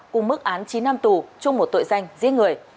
cùng mức án chín năm tù chung một tội danh giết người